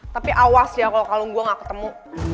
tapi awas ya kalau kalung gue gak ketemu